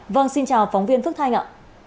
vâng xin chào phóng viên phước thanh ạ